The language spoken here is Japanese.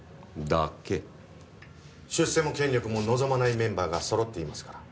出世も権力も望まないメンバーがそろっていますから。